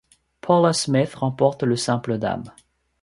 Paula Smith remporte le simple dames.